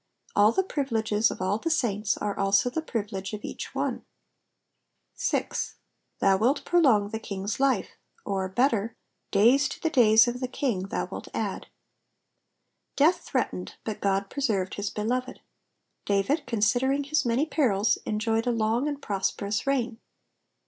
All the privileges of all the saints are also the privilege of each one. 6. '* 27*01/ tcilt prolong the king's life;'' or, better, *' days to the days of the Ring thou wilt add.^' Death threatened, but God preserved his beloved. David, considering his many perils, enjoyed a long and prosperous reign.